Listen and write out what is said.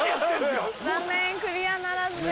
残念クリアならずです。